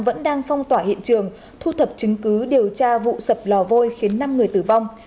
vẫn đang phong tỏa hiện trường thu thập chứng cứ điều tra vụ sập lò vôi khiến năm người tử vong